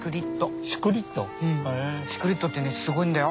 シクリッドってねすごいんだよ。